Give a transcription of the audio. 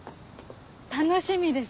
楽しみです。